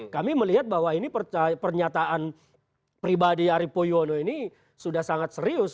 kami melihat bahwa ini pernyataan pribadi arief puyono ini sudah sangat serius